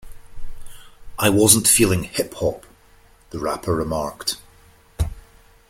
"I wasn't feeling hip hop," the rapper remarked.